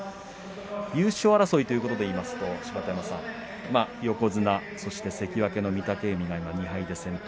優勝争いということで言いますと横綱と、そして関脇の御嶽海。